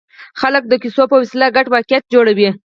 خلک د کیسو په وسیله ګډ واقعیت جوړوي.